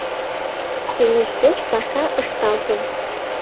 Кеҥеж гоч паша ышталтын.